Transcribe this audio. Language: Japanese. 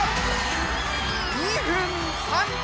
２分３秒！